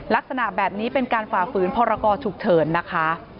ลักษณะแบบนี้เป็นการฝ่าฝืนพรกรฉุกเฉินนะคะ